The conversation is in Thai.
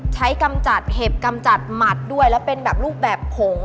กำจัดเห็บกำจัดหมัดด้วยแล้วเป็นแบบรูปแบบผง